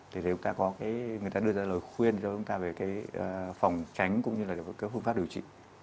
thì người ta đưa ra lời khuyên cho chúng ta về phòng tránh cũng như là phương pháp điều trị